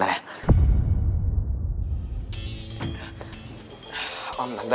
habis aku fifteen tomato berlantai